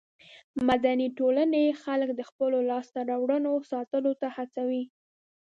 مدني ټولنې خلک د خپلو لاسته راوړنو ساتلو ته هڅوي.